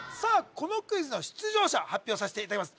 このクイズの出場者発表させていただきます